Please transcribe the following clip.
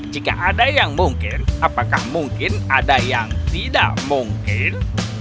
jika ada yang mungkin apakah mungkin ada yang tidak mungkin